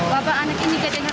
bapak anak ini tidak kerja